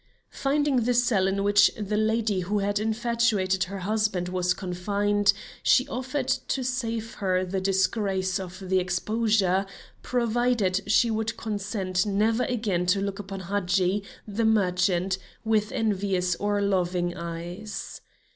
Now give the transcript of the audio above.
Finding the cell in which the lady who had infatuated her husband was confined, she offered to save her the disgrace of the exposure, provided she would consent never again to look upon Hadji, the merchant, with envious or loving eyes.